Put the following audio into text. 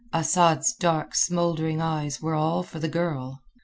Asad's dark, smouldering eyes were all for the girl.